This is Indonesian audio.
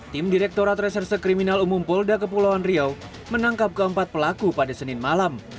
tim direktorat reserse kriminal umum polda kepulauan riau menangkap keempat pelaku pada senin malam